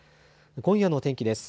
今夜の天気です。